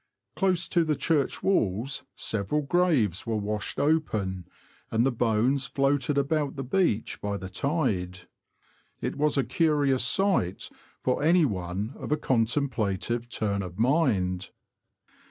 Close to the church walls several graves were washed open, and the bones floated about the beach by the tide. It was a curious sight for anyone of a contemplative turn of mind.